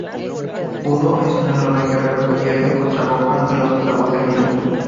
Udo es un enorme guerrero que pierde contra Gohan en los octavos de final.